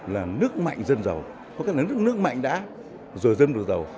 là nước mạnh dân giàu có cái là nước mạnh đã rồi dân được giàu